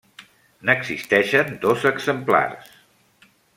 N'existeixen dos exemplars.